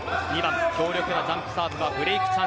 ２番、強力なジャンプサーブはブレーク